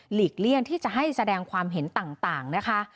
เลี่ยงที่จะให้แสดงความเห็นต่างนะคะ